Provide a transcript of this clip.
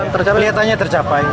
tercapai lihat lihatnya tercapai